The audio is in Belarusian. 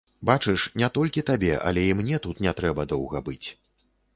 Бачыш, не толькі табе, але і мне тут не трэба доўга быць.